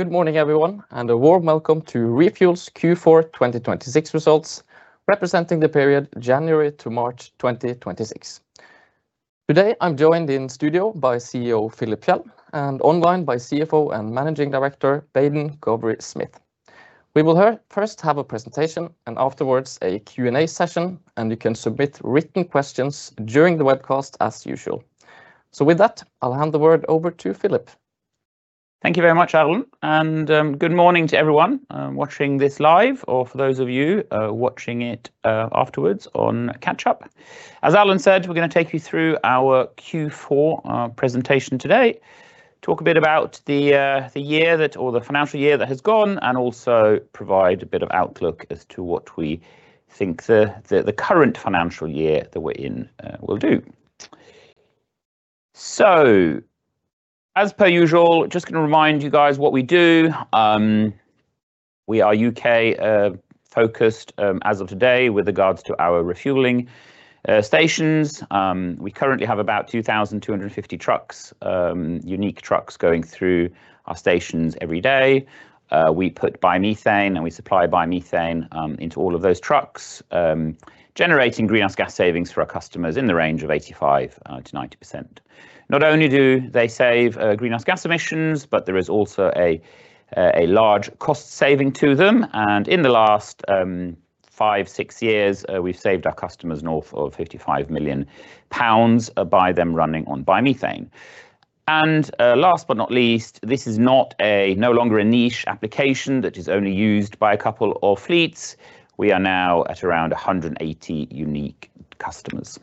Good morning, everyone, and a warm welcome to ReFuels Q4 2026 results, representing the period January to March 2026. Today, I'm joined in studio by CEO Philip Fjeld, and online by CFO and Managing Director, Baden Gowrie-Smith. We will first have a presentation, and afterwards a Q&A session, and you can submit written questions during the webcast as usual. With that, I'll hand the word over to Philip. Thank you very much, Adalyn. Good morning to everyone watching this live, or for those of you watching it afterwards on catch up. As Adalyn said, we're going to take you through our Q4 presentation today, talk a bit about the financial year that has gone, and also provide a bit of outlook as to what we think the current financial year that we're in will do. As per usual, just going to remind you guys what we do. We are U.K.-focused as of today with regards to our refueling stations. We currently have about 2,250 unique trucks going through our stations every day. We put biomethane and we supply biomethane into all of those trucks, generating greenhouse gas savings for our customers in the range of 85%-90%. Not only do they save greenhouse gas emissions, but there is also a large cost saving to them. In the last five, six years, we've saved our customers north of 55 million pounds by them running on biomethane. Last but not least, this is no longer a niche application that is only used by a couple of fleets. We are now at around 180 unique customers.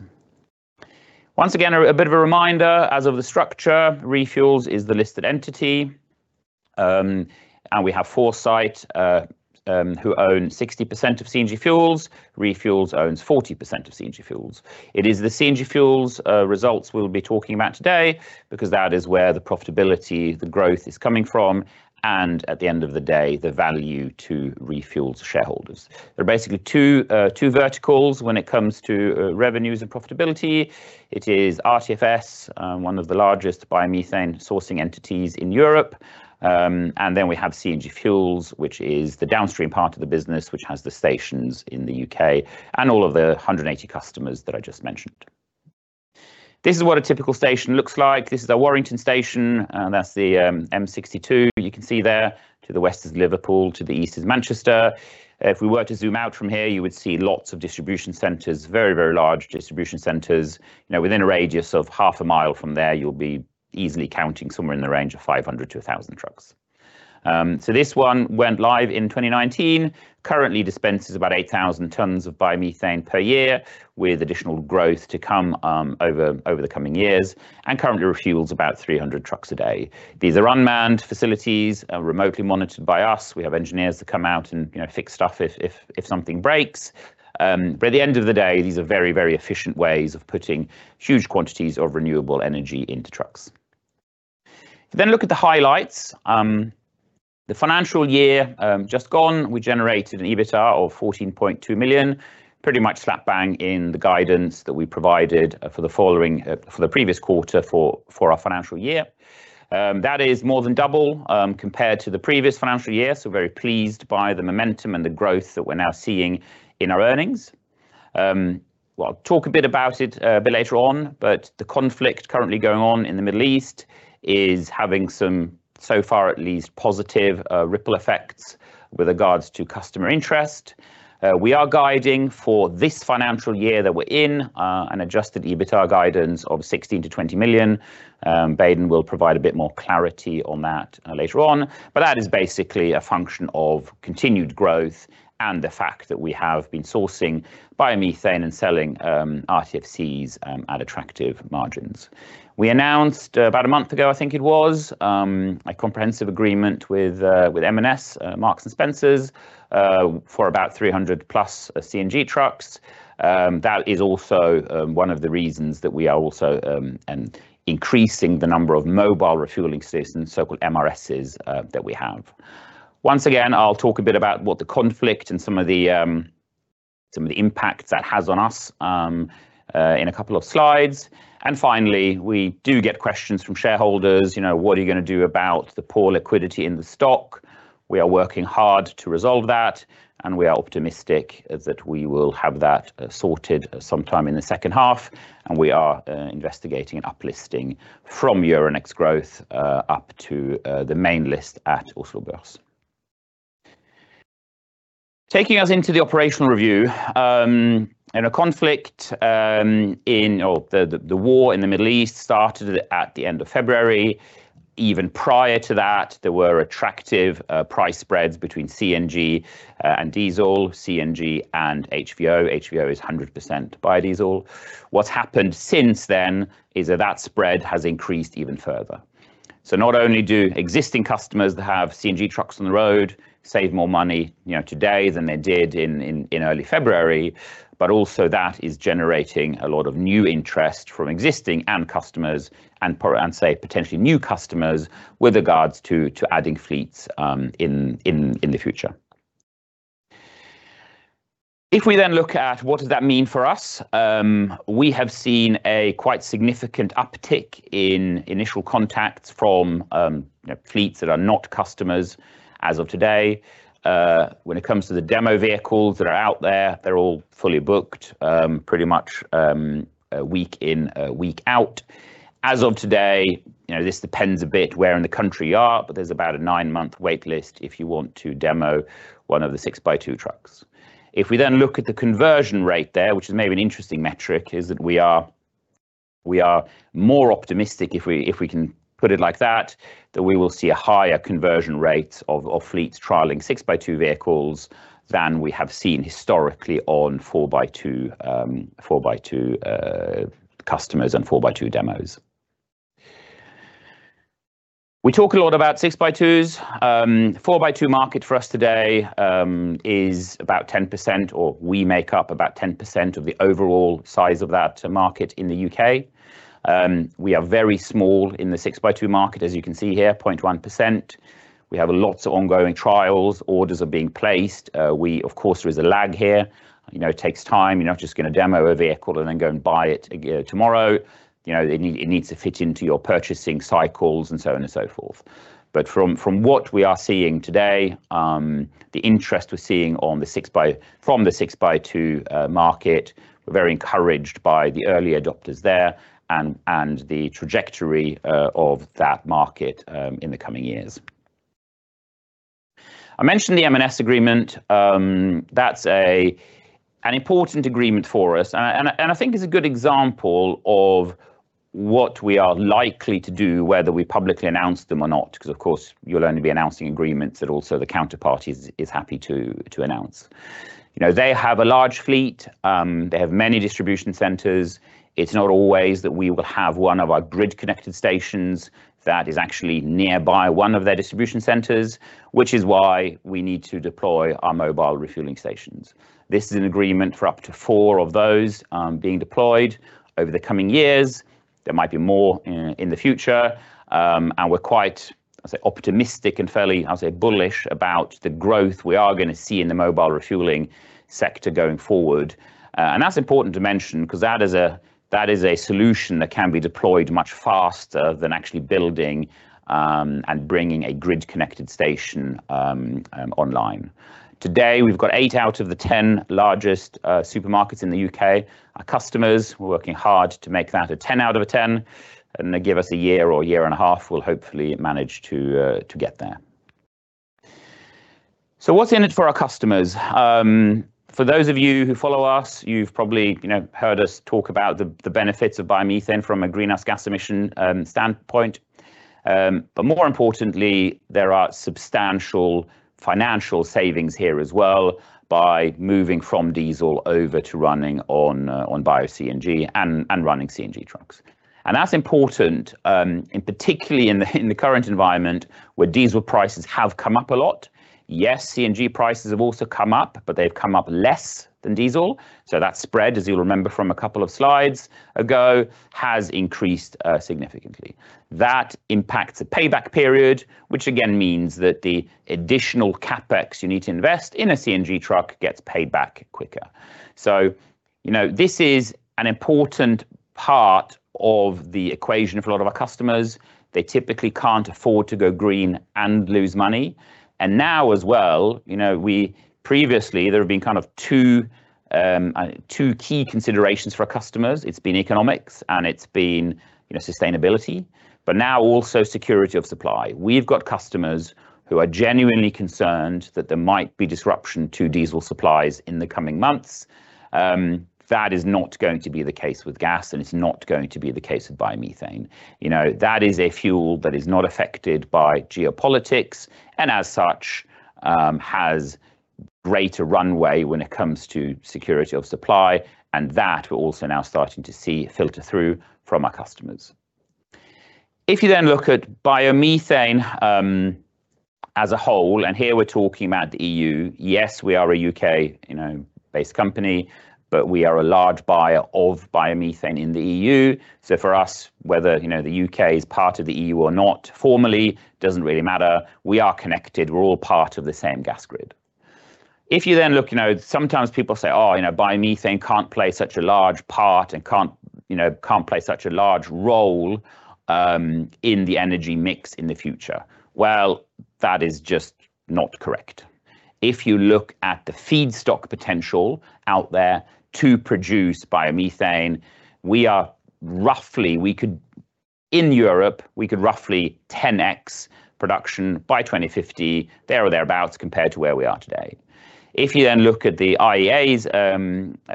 Once again, a bit of a reminder as of the structure, ReFuels is the listed entity. We have Foresight who own 60% of CNG Fuels. ReFuels owns 40% of CNG Fuels. It is the CNG Fuels results we'll be talking about today, because that is where the profitability, the growth is coming from, and at the end of the day, the value to ReFuels shareholders. There are basically two verticals when it comes to revenues and profitability. It is RTFS, one of the largest biomethane sourcing entities in Europe. We have CNG Fuels, which is the downstream part of the business, which has the stations in the U.K. and all of the 180 customers that I just mentioned. This is what a typical station looks like. This is our Warrington station, that's the M62 you can see there. To the west is Liverpool, to the east is Manchester. If we were to zoom out from here, you would see lots of distribution centers, very large distribution centers. Within a radius of half a mile from there, you'll be easily counting somewhere in the range of 500-1,000 trucks. This one went live in 2019, currently dispenses about 8,000 tons of biomethane per year, with additional growth to come over the coming years, and currently refuels about 300 trucks a day. These are unmanned facilities, are remotely monitored by us. We have engineers that come out and fix stuff if something breaks. At the end of the day, these are very efficient ways of putting huge quantities of renewable energy into trucks. Look at the highlights, the financial year just gone, we generated an EBITDA of 14.2 million, pretty much slap bang in the guidance that we provided for the previous quarter for our financial year. That is more than double compared to the previous financial year, so very pleased by the momentum and the growth that we're now seeing in our earnings. I'll talk a bit about it a bit later on, but the conflict currently going on in the Middle East is having some, so far at least, positive ripple effects with regards to customer interest. We are guiding for this financial year that we're in an adjusted EBITDA guidance of 16 million-20 million. Baden will provide a bit more clarity on that later on. That is basically a function of continued growth and the fact that we have been sourcing biomethane and selling RTFCs at attractive margins. We announced about a month ago, I think it was, a comprehensive agreement with M&S, Marks & Spencer, for about 300+ CNG trucks. That is also one of the reasons that we are also increasing the number of mobile refueling systems, so-called MRSs, that we have. Once again, I'll talk a bit about what the conflict and some of the impacts that has on us in a couple of slides. Finally, we do get questions from shareholders. What are you going to do about the poor liquidity in the stock? We are working hard to resolve that, and we are optimistic that we will have that sorted sometime in the second half, and we are investigating an uplisting from Euronext Growth up to the main list at Oslo Børs. Taking us into the operational review, the war in the Middle East started at the end of February. Even prior to that, there were attractive price spreads between CNG and diesel, CNG and HVO. HVO is 100% biodiesel. What's happened since then is that that spread has increased even further. Not only do existing customers that have CNG trucks on the road save more money today than they did in early February, but also that is generating a lot of new interest from existing and potentially new customers with regards to adding fleets in the future. If we then look at what does that mean for us, we have seen a quite significant uptick in initial contacts from fleets that are not customers as of today. When it comes to the demo vehicles that are out there, they're all fully booked pretty much week in, week out. As of today, this depends a bit where in the country you are, but there's about a nine-month wait list if you want to demo one of the 6x2 trucks. If we look at the conversion rate there, which is maybe an interesting metric, is that we are more optimistic, if we can put it like that we will see a higher conversion rate of fleets trialing 6x2 vehicles than we have seen historically on 4x2 customers and 4x2 demos. We talk a lot about 6x2. 4x2 market for us today is about 10%, or we make up about 10% of the overall size of that market in the U.K. We are very small in the 6x2 market. As you can see here, 0.1%. We have lots of ongoing trials. Orders are being placed. Of course, there is a lag here. It takes time. You're not just going to demo a vehicle and then go and buy it again tomorrow. It needs to fit into your purchasing cycles and so on and so forth. From what we are seeing today, the interest we're seeing from the 6x2 market, we're very encouraged by the early adopters there and the trajectory of that market in the coming years. I mentioned the M&S agreement. That's an important agreement for us, and I think it's a good example of what we are likely to do, whether we publicly announce them or not, because of course, you'll only be announcing agreements that also the counterparties is happy to announce. They have a large fleet. They have many distribution centers. It's not always that we will have one of our grid connected stations that is actually nearby one of their distribution centers, which is why we need to deploy our mobile refueling stations. This is an agreement for up to four of those being deployed over the coming years. There might be more in the future. We're quite, I'd say, optimistic and fairly, I'd say, bullish about the growth we are going to see in the mobile refueling sector going forward. That's important to mention, because that is a solution that can be deployed much faster than actually building and bringing a grid connected station online. Today, we've got eight out of the 10 largest supermarkets in the U.K. are customers. We're working hard to make that a 10 out of 10, and give us a year or a year and a half, we'll hopefully manage to get there. What's in it for our customers? For those of you who follow us, you've probably heard us talk about the benefits of biomethane from a greenhouse gas emission standpoint. More importantly, there are substantial financial savings here as well by moving from diesel over to running on bio-CNG and running CNG trucks. That's important, and particularly in the current environment where diesel prices have come up a lot. Yes, CNG prices have also come up, but they've come up less than diesel. That spread, as you'll remember from a couple of slides ago, has increased significantly. That impacts a payback period, which again means that the additional CapEx you need to invest in a CNG truck gets paid back quicker. This is an important part of the equation for a lot of our customers. They typically can't afford to go green and lose money. Now as well, previously, there have been kind of two key considerations for our customers. It's been economics and it's been sustainability, but now also security of supply. We've got customers who are genuinely concerned that there might be disruption to diesel supplies in the coming months. That is not going to be the case with gas, and it's not going to be the case with biomethane. That is a fuel that is not affected by geopolitics, and as such, has greater runway when it comes to security of supply, and that we're also now starting to see filter through from our customers. If you look at biomethane as a whole, and here we're talking about the EU. Yes, we are a U.K.-based company, we are a large buyer of biomethane in the EU. For us, whether the U.K. is part of the EU or not formally doesn't really matter. We are connected. We're all part of the same gas grid. If you then look, sometimes people say, "Oh, biomethane can't play such a large part and can't play such a large role in the energy mix in the future." Well, that is just not correct. If you look at the feedstock potential out there to produce biomethane, in Europe, we could roughly 10X production by 2050, there or thereabouts, compared to where we are today. If you then look at the IEA's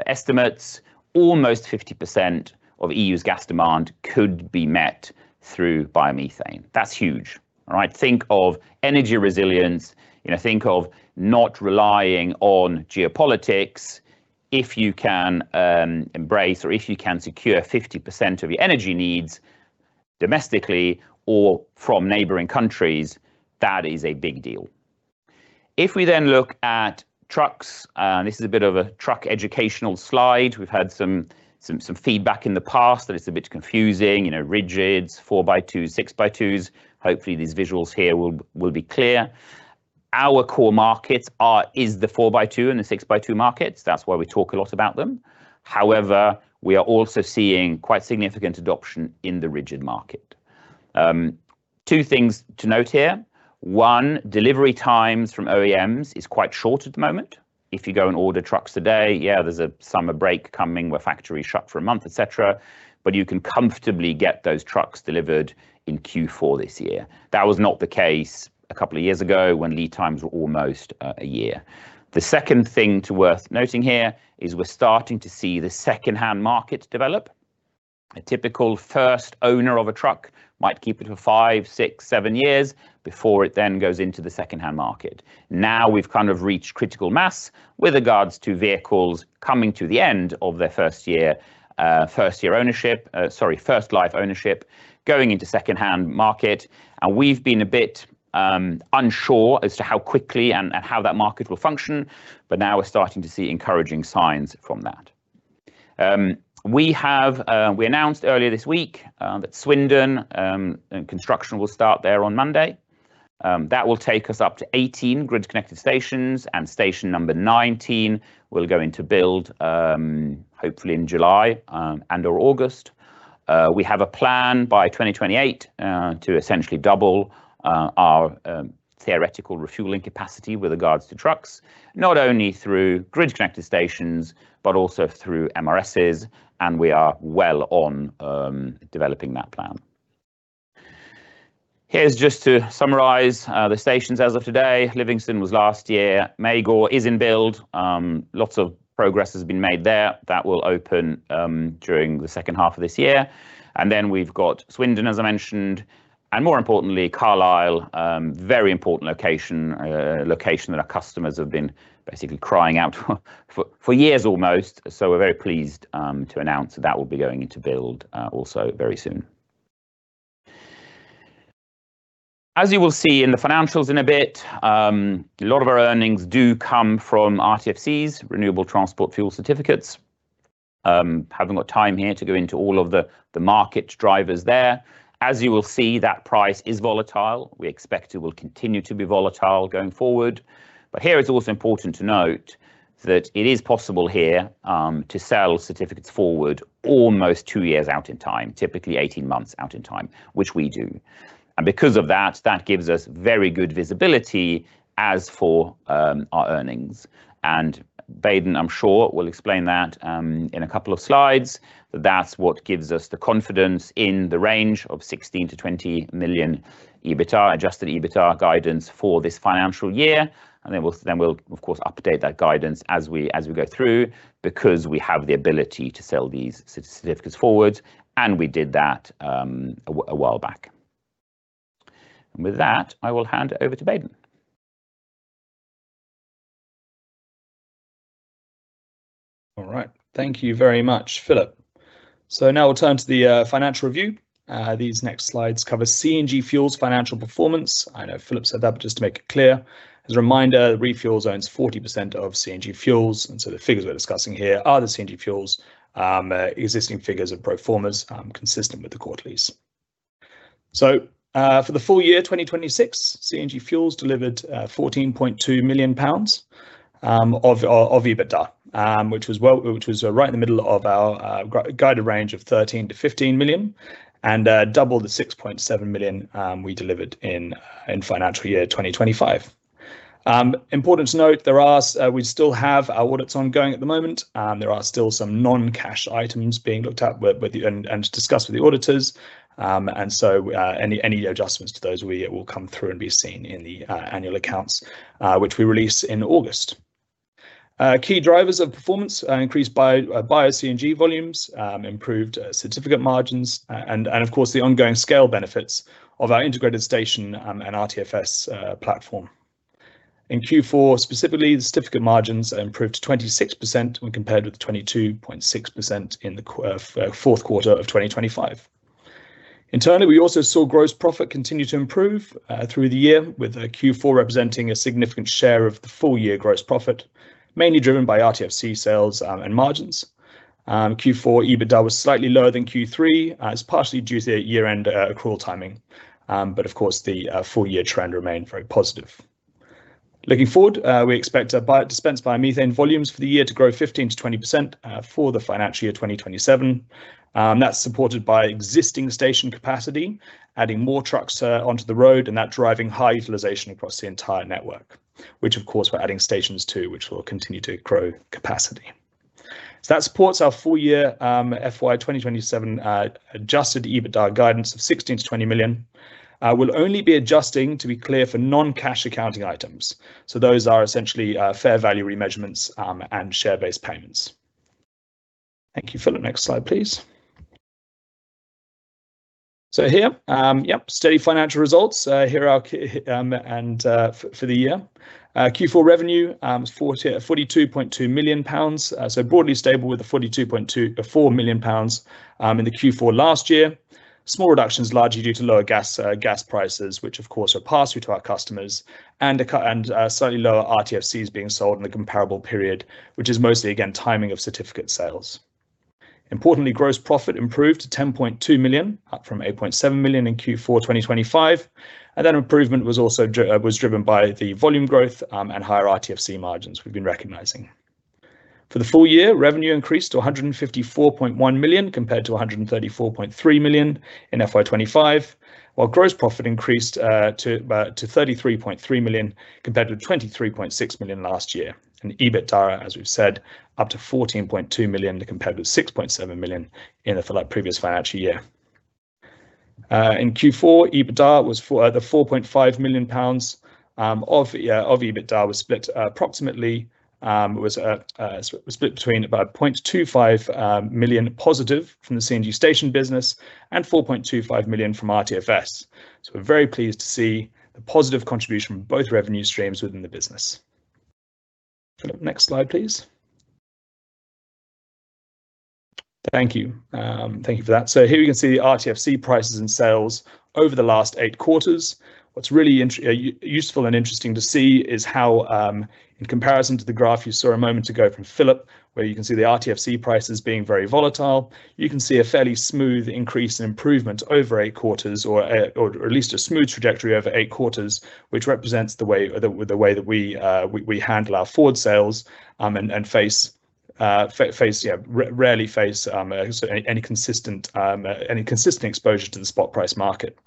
estimates, almost 50% of EU's gas demand could be met through biomethane. That's huge. All right? Think of energy resilience, think of not relying on geopolitics. If you can embrace or if you can secure 50% of your energy needs domestically or from neighboring countries, that is a big deal. If we then look at trucks, this is a bit of a truck educational slide. We've had some feedback in the past that it's a bit confusing, rigids, 4x2, 6x2s. Hopefully, these visuals here will be clear. Our core markets are the 4x2 and the 6x2 markets. That's why we talk a lot about them. We are also seeing quite significant adoption in the rigid market. Two things to note here. One, delivery times from OEMs is quite short at the moment. If you go and order trucks today, there's a summer break coming where factories shut for a month, et cetera, but you can comfortably get those trucks delivered in Q4 this year. That was not the case a couple of years ago when lead times were almost a year. The second thing worth noting here is we're starting to see the secondhand market develop. A typical first owner of a truck might keep it for five, six, seven years before it then goes into the secondhand market. Now, we've reached critical mass with regards to vehicles coming to the end of their first life ownership, going into secondhand market, and we've been a bit unsure as to how quickly and how that market will function, but now we're starting to see encouraging signs from that. We announced earlier this week that Swindon, construction will start there on Monday. That will take us up to 18 grid connected stations, and station number 19 will go into build, hopefully, in July and/or August. We have a plan by 2028, to essentially double our theoretical refueling capacity with regards to trucks, not only through grid connected stations, but also through MRSs, and we are well on developing that plan. Here's just to summarize the stations as of today. Livingston was last year. Magor is in build. Lots of progress has been made there. That will open during the second half of this year. We've got Swindon, as I mentioned, and more importantly, Carlisle, very important location that our customers have been basically crying out for years almost. We're very pleased to announce that will be going into build also very soon. As you will see in the financials in a bit, a lot of our earnings do come from RTFCs, renewable transport fuel certificates. Haven't got time here to go into all of the market drivers there. As you will see, that price is volatile. We expect it will continue to be volatile going forward. Here, it's also important to note that it is possible here to sell certificates forward almost two years out in time, typically 18 months out in time, which we do. Because of that gives us very good visibility as for our earnings. Baden, I'm sure, will explain that in a couple of slides, that that's what gives us the confidence in the range of 16 million-20 million EBITDA, adjusted EBITDA guidance for this financial year. Then we'll, of course, update that guidance as we go through, because we have the ability to sell these certificates forward, and we did that a while back. With that, I will hand over to Baden. All right. Thank you very much, Philip. Now we'll turn to the financial review. These next slides cover CNG Fuels financial performance. I know Philip said that, but just to make it clear. As a reminder, ReFuels owns 40% of CNG Fuels, the figures we're discussing here are the CNG Fuels' existing figures and pro formas, consistent with the quarterlies. For the FY 2026, CNG Fuels delivered 14.2 million pounds of EBITDA, which was right in the middle of our guided range of 13 million-15 million and double the 6.7 million we delivered in FY 2025. Important to note, we still have our audits ongoing at the moment. There are still some non-cash items being looked at and discussed with the auditors. Any adjustments to those will come through and be seen in the annual accounts, which we release in August. Key drivers of performance are increased bio-CNG volumes, improved certificate margins, and of course, the ongoing scale benefits of our integrated station and RTFS platform. In Q4 specifically, the certificate margins improved to 26% when compared with the 22.6% in the fourth quarter of 2025. Internally, we also saw gross profit continue to improve through the year, with Q4 representing a significant share of the full year gross profit, mainly driven by RTFC sales and margins. Q4 EBITDA was slightly lower than Q3. It's partially due to year-end accrual timing. Of course, the full-year trend remained very positive. Looking forward, we expect dispensed biomethane volumes for the year to grow 15%-20% for the financial year 2027. That's supported by existing station capacity, adding more trucks onto the road, and that driving high utilization across the entire network, which of course we're adding stations too, which will continue to grow capacity. That supports our full-year FY 2027 adjusted EBITDA guidance of 16 million-20 million. We'll only be adjusting, to be clear, for non-cash accounting items. Those are essentially fair value remeasurements and share-based payments. Thank you, Philip. Next slide, please. Here, steady financial results here for the year. Q4 revenue was 42.2 million pounds, so broadly stable with the 42.4 million pounds in the Q4 last year. Small reductions largely due to lower gas prices, which of course are passed through to our customers, and slightly lower RTFCs being sold in the comparable period, which is mostly, again, timing of certificate sales. Importantly, gross profit improved to 10.2 million, up from 8.7 million in Q4 2025, and that improvement was driven by the volume growth and higher RTFC margins we've been recognizing. For the full year, revenue increased to 154.1 million compared to 134.3 million in FY 2025, while gross profit increased to 33.3 million compared to 23.6 million last year. EBITDA, as we've said, up to 14.2 million compared to 6.7 million in the previous financial year. In Q4, EBITDA, the 4.5 million pounds of EBITDA was split between about 0.25 million+ from the CNG station business and 4.25 million from RTFS. We're very pleased to see the positive contribution from both revenue streams within the business. Next slide, please. Thank you. Thank you for that. Here we can see the RTFC prices and sales over the last eight quarters. What's really useful and interesting to see is how, in comparison to the graph you saw a moment ago from Philip, where you can see the RTFC prices being very volatile, you can see a fairly smooth increase in improvement over eight quarters, or at least a smooth trajectory over eight quarters, which represents the way that we handle our forward sales and rarely face any consistent exposure to the spot price market.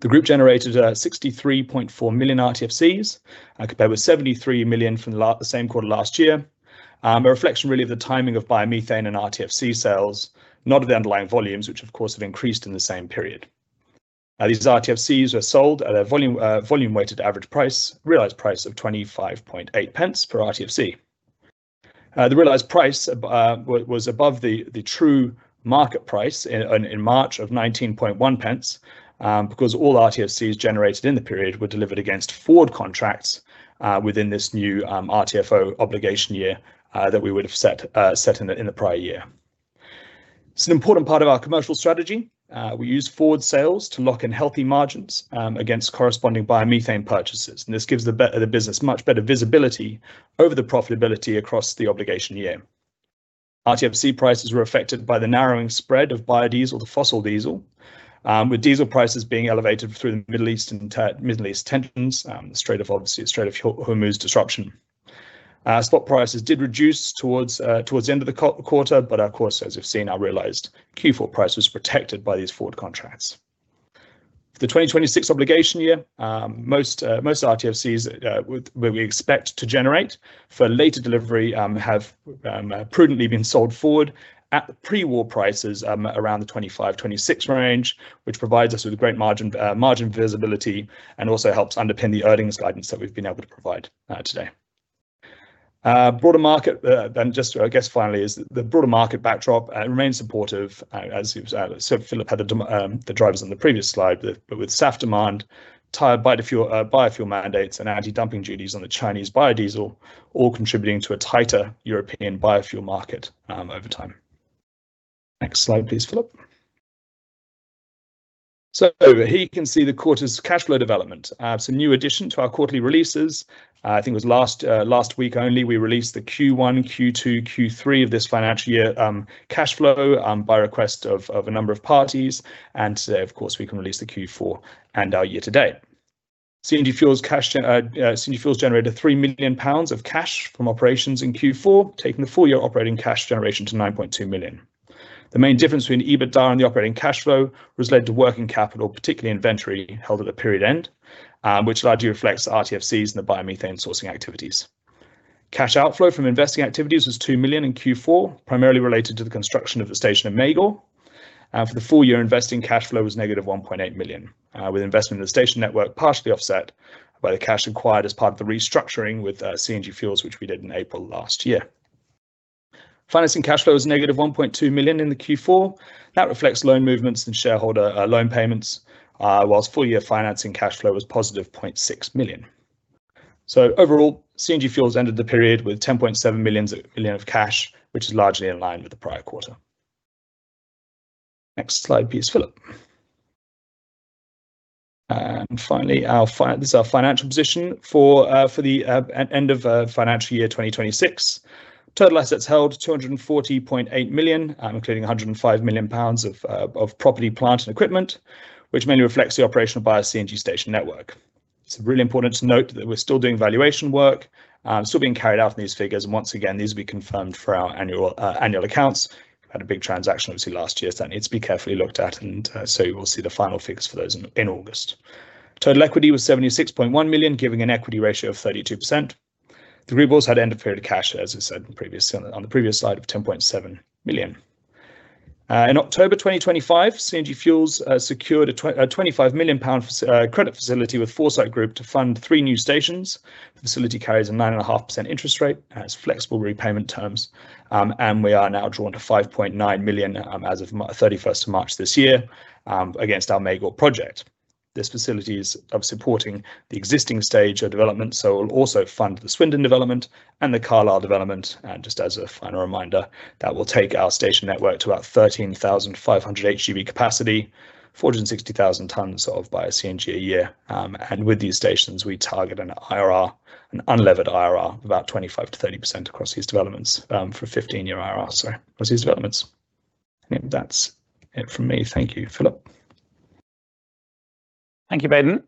The group generated 63.4 million RTFCs, compared with 73 million from the same quarter last year. A reflection, really, of the timing of biomethane and RTFC sales, not of the underlying volumes, which of course have increased in the same period. These RTFCs were sold at a volume weighted average price, realized price of 0.258 per RTFC. The realized price was above the true market price in March of 0.191, because all RTFCs generated in the period were delivered against forward contracts within this new RTFO obligation year that we would have set in the prior year. It's an important part of our commercial strategy. We use forward sales to lock in healthy margins against corresponding biomethane purchases. This gives the business much better visibility over the profitability across the obligation year. RTFC prices were affected by the narrowing spread of biodiesel to fossil diesel, with diesel prices being elevated through the Middle East tensions, the Strait of Hormuz disruption. Spot prices did reduce towards the end of the quarter, but of course, as we've seen, our realized Q4 price was protected by these forward contracts. For the 2026 obligation year, most RTFCs we expect to generate for later delivery have prudently been sold forward at pre-war prices around the 0.25-0.26 range, which provides us with great margin visibility and also helps underpin the earnings guidance that we've been able to provide today. Just, I guess, finally, is the broader market backdrop remains supportive, as Philip had the drivers on the previous slide, with SAF demand, tighter biofuel mandates, and anti-dumping duties on the Chinese biodiesel all contributing to a tighter European biofuel market over time. Next slide please, Philip. Here you can see the quarter's cash flow development. It's a new addition to our quarterly releases. I think it was last week only we released the Q1, Q2, Q3 of this financial year cash flow by request of a number of parties. Today, of course, we can release the Q4 and our year to date. CNG Fuels generated 3 million pounds of cash from operations in Q4, taking the full-year operating cash generation to 9.2 million. The main difference between EBITDA and the operating cash flow was led to working capital, particularly inventory held at a period end, which largely reflects RTFCs and the biomethane sourcing activities. Cash outflow from investing activities was 2 million in Q4, primarily related to the construction of the station in Magor. For the full year, investing cash flow was -1.8 million, with investment in the station network partially offset by the cash acquired as part of the restructuring with CNG Fuels, which we did in April last year. Financing cash flow was -1.2 million in the Q4. That reflects loan movements and shareholder loan payments, whilst full year financing cash flow was positive 0.6 million. Overall, CNG Fuels ended the period with 10.7 million of cash, which is largely in line with the prior quarter. Next slide please, Philip. Finally, this is our financial position for the end of FY 2026. Total assets held, 240.8 million, including 105 million pounds of property, plant and equipment, which mainly reflects the operation of Bio-CNG station network. It's really important to note that we're still doing valuation work, still being carried out in these figures. Once again, these will be confirmed for our annual accounts. Had a big transaction, obviously, last year, that needs to be carefully looked at, we'll see the final figures for those in August. Total equity was 76.1 million, giving an equity ratio of 32%. The group also had end of period cash, as I said on the previous slide, of 10.7 million. In October 2025, CNG Fuels secured a 25 million pound credit facility with Foresight Group to fund three new stations. The facility carries a 9.5% interest rate, has flexible repayment terms, and we are now drawn to 5.9 million as of 31st of March this year against our Magor project. This facility is supporting the existing stage of development, so will also fund the Swindon development and the Carlisle development. Just as a final reminder, that will take our station network to about 13,500 HGV capacity, 460,000 tons of Bio-CNG a year. With these stations, we target an unlevered IRR of about 25%-30% across these developments for a 15-year IRR. Sorry. Across these developments. I think that's it from me. Thank you. Philip? Thank you, Baden.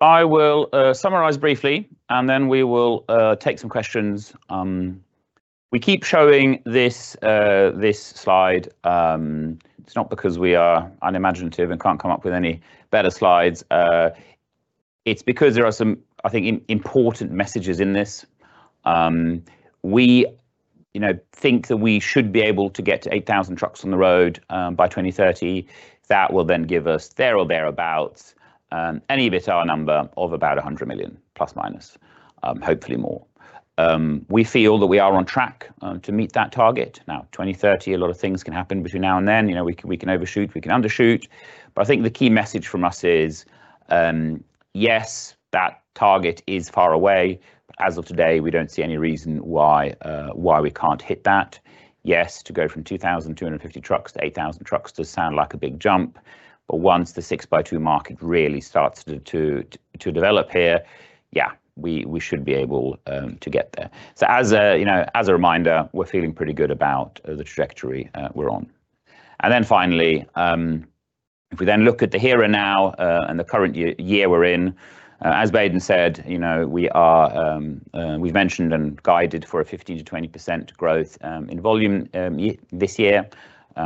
I will summarize briefly, and then we will take some questions. We keep showing this slide. It's not because we are unimaginative and can't come up with any better slides. It's because there are some, I think, important messages in this. We think that we should be able to get to 8,000 trucks on the road by 2030. That will then give us, there or thereabouts, an EBITDA number of about 100 million, plus, minus, hopefully more. We feel that we are on track to meet that target. Now, 2030, a lot of things can happen between now and then. We can overshoot, we can undershoot. I think the key message from us is, yes, that target is far away, but as of today, we don't see any reason why we can't hit that. To go from 2,250 trucks to 8,000 trucks does sound like a big jump. Once the 6x2 market really starts to develop here, we should be able to get there. As a reminder, we're feeling pretty good about the trajectory we're on. Finally, if we then look at the here and now, and the current year we're in, as Baden said, we've mentioned and guided for a 15%-20% growth in volume this year.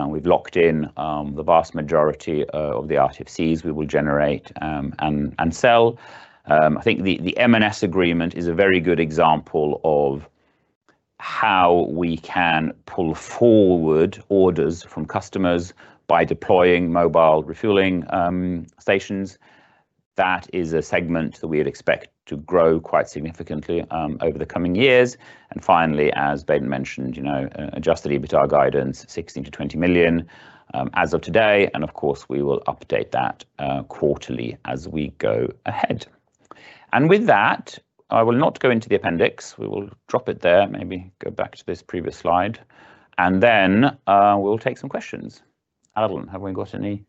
We've locked in the vast majority of the RTFCs we will generate and sell. I think the M&S agreement is a very good example of how we can pull forward orders from customers by deploying mobile refueling stations. That is a segment that we would expect to grow quite significantly over the coming years. Finally, as Baden mentioned, adjusted EBITDA guidance 16 million-20 million as of today. Of course, we will update that quarterly as we go ahead. With that, I will not go into the appendix. We will drop it there, maybe go back to this previous slide, then we'll take some questions. Adalyn, have we got any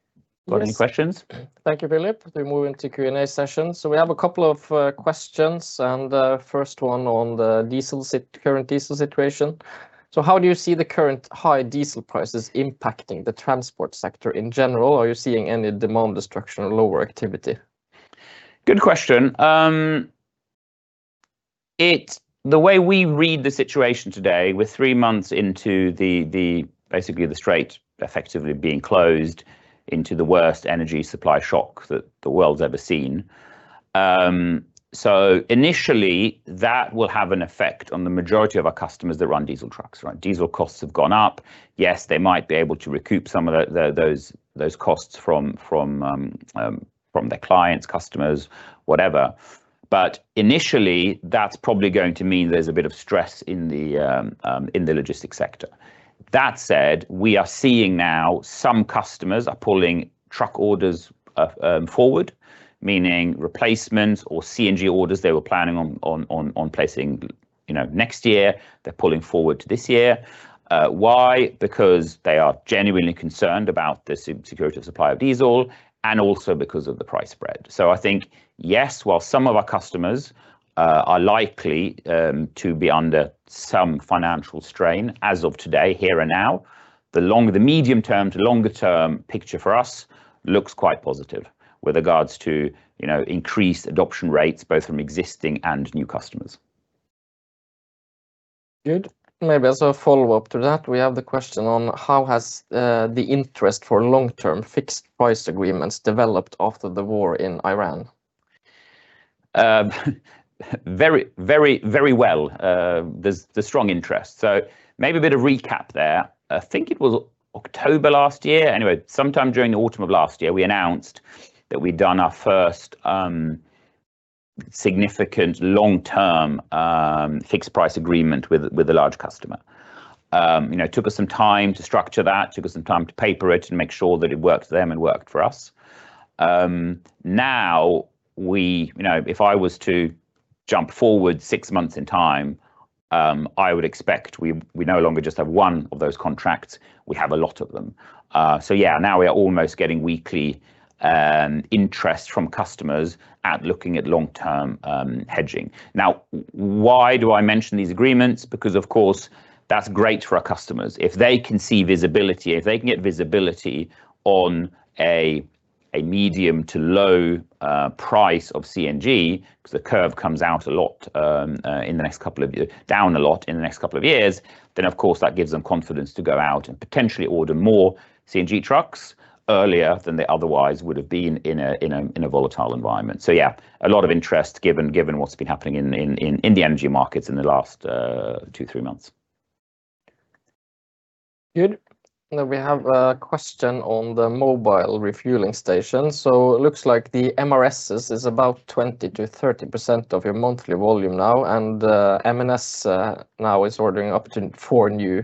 questions? Yes. Thank you, Philip. We're moving to Q&A session. We have a couple of questions, the first one on the current diesel situation. How do you see the current high diesel prices impacting the transport sector in general? Are you seeing any demand destruction or lower activity? Good question. The way we read the situation today, we're three months into basically the strait effectively being closed into the worst energy supply shock that the world's ever seen. Initially, that will have an effect on the majority of our customers that run diesel trucks. Diesel costs have gone up. Yes, they might be able to recoup some of those costs from their clients, customers, whatever. Initially, that's probably going to mean there's a bit of stress in the logistics sector. That said, we are seeing now some customers are pulling truck orders forward, meaning replacements or CNG orders they were planning on placing next year, they're pulling forward to this year. Why? Because they are genuinely concerned about the security of supply of diesel and also because of the price spread. I think, yes, while some of our customers are likely to be under some financial strain as of today, here and now, the medium term to longer term picture for us looks quite positive with regards to increased adoption rates, both from existing and new customers. Good. Maybe as a follow-up to that, we have the question on how has the interest for long-term fixed price agreements developed after the war in Iran? Very well. There's strong interest. Maybe a bit of recap there. I think it was October last year. Anyway, sometime during the autumn of last year, we announced that we'd done our first significant long-term fixed price agreement with a large customer. Took us some time to structure that, took us some time to paper it and make sure that it worked for them and worked for us. Now, if I was to jump forward six months in time, I would expect we no longer just have one of those contracts. We have a lot of them. Yeah, now we are almost getting weekly interest from customers at looking at long-term hedging. Now, why do I mention these agreements? Because of course, that's great for our customers. If they can see visibility, if they can get visibility on a medium to low price of CNG, because the curve comes down a lot in the next couple of years, then, of course, that gives them confidence to go out and potentially order more CNG trucks earlier than they otherwise would have been in a volatile environment. Yeah, a lot of interest given what's been happening in the energy markets in the last two, three months. Good. Looks like the MRSs is about 20%-30% of your monthly volume now, and M&S now is ordering up to four new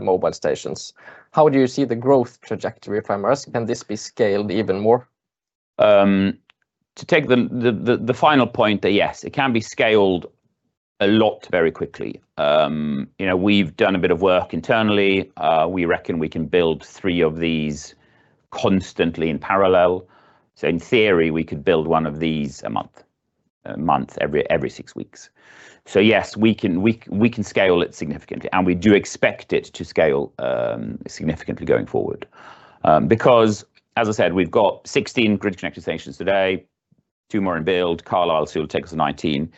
mobile stations. How do you see the growth trajectory of MRS? Can this be scaled even more? To take the final point, yes, it can be scaled a lot very quickly. We've done a bit of work internally. We reckon we can build three of these constantly in parallel. In theory, we could build one of these a month, every six weeks. Yes, we can scale it significantly, and we do expect it to scale significantly going forward. As I said, we've got 16 grid-connected stations today, two more in build, Carlisle, so it will take us to 19.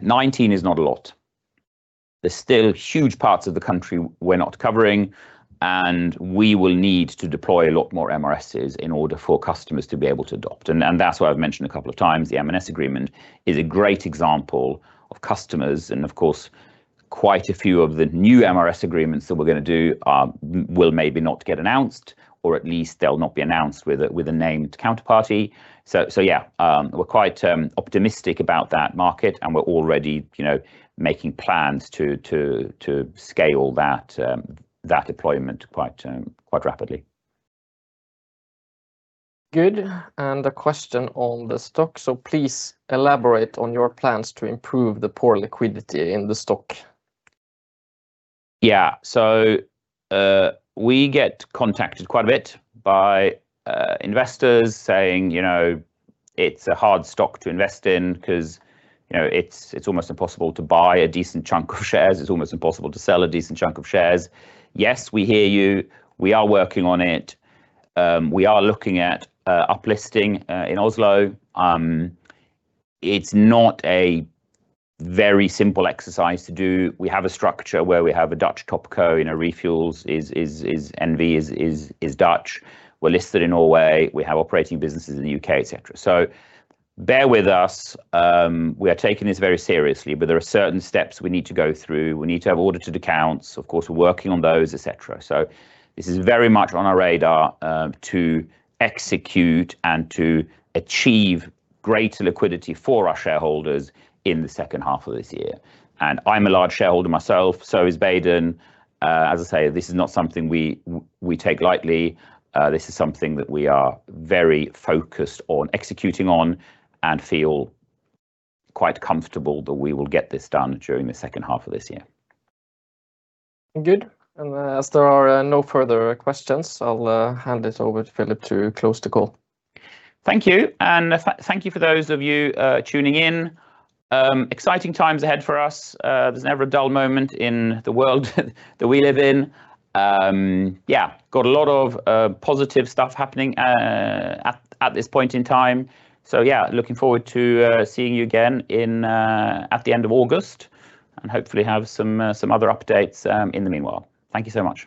19 is not a lot. There's still huge parts of the country we're not covering, and we will need to deploy a lot more MRSs in order for customers to be able to adopt. That's why I've mentioned a couple of times, the M&S agreement is a great example of customers, and of course, quite a few of the new MRS agreements that we're going to do will maybe not get announced, or at least they'll not be announced with a named counterparty. Yeah. We're quite optimistic about that market, and we're already making plans to scale that deployment quite rapidly. Good. A question on the stock. Please elaborate on your plans to improve the poor liquidity in the stock. Yeah. We get contacted quite a bit by investors saying, "It's a hard stock to invest in because it's almost impossible to buy a decent chunk of shares. It's almost impossible to sell a decent chunk of shares." Yes, we hear you. We are working on it. We are looking at uplisting in Oslo. It's not a very simple exercise to do. We have a structure where we have a Dutch TopCo in ReFuels N.V., is Dutch. We're listed in Norway, we have operating businesses in the U.K., et cetera. Bear with us. We are taking this very seriously, but there are certain steps we need to go through. We need to have audited accounts. Of course, we're working on those, et cetera. This is very much on our radar, to execute and to achieve greater liquidity for our shareholders in the second half of this year. I'm a large shareholder myself, so is Baden. As I say, this is not something we take lightly. This is something that we are very focused on executing on and feel quite comfortable that we will get this done during the second half of this year. Good. As there are no further questions, I will hand it over to Philip to close the call. Thank you, thank you for those of you tuning in. Exciting times ahead for us. There's never a dull moment in the world that we live in. Yeah. We've got a lot of positive stuff happening at this point in time. Yeah, looking forward to seeing you again at the end of August, and hopefully have some other updates in the meanwhile. Thank you so much.